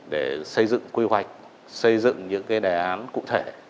để xây dựng quy hoạch xây dựng những đề án cụ thể